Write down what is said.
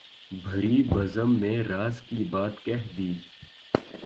بھری بزم میں راز کی بات کہہ دی